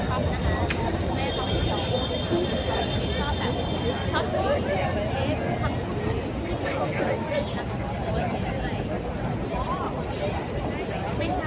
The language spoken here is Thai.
อันที่สุดท้ายก็คืออันที่สุดท้ายก็คืออั